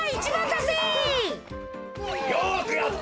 よくやった！